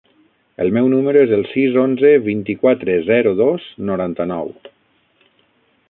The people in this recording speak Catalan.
El meu número es el sis, onze, vint-i-quatre, zero, dos, noranta-nou.